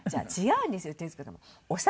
うん。